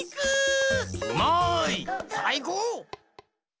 うまい！さいこう！